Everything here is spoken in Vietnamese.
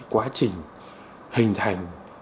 quá trình hình thành